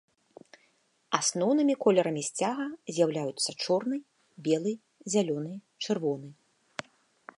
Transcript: Асноўнымі колерамі сцяга з'яўляюцца чорны, белы, зялёны, чырвоны.